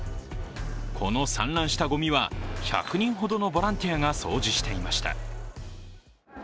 この散乱したごみは１００人ほどのボランティアが掃除していました。